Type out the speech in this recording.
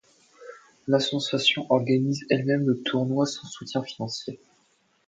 L'Association organise elle-même le tournoi sans soutien financier.